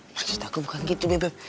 maksud aku bukan gitu bebek